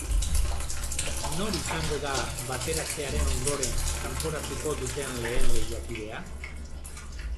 Nor izango da, bateratzearen ondoren, kanporatuko duten lehen lehiakidea?